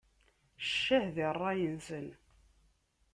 Ccah di ṛṛay-nsen!